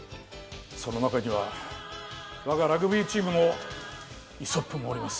その中には、わがラグビーチームのイソップもおります。